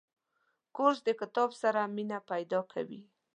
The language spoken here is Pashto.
کورس د کتاب سره مینه پیدا کوي.